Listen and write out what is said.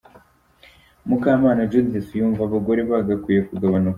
Mukamana Judith yumva abagore bagakwiye kugabanuka.